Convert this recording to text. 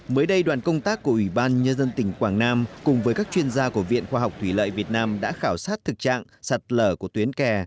mới đây đoàn công tác của ủy ban nhân dân tỉnh quảng nam cùng với các chuyên gia của viện khoa học thủy lợi việt nam đã khảo sát thực trạng sạt lở của tuyến kè